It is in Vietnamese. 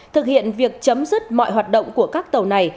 thực hiện việc chấm dứt mọi hoạt động của các tàu này